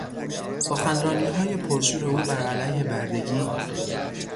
سخنرانیهای پرشور او بر علیه بردگی